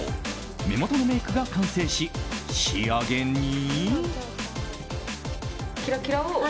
目元のメイクが完成し仕上げに。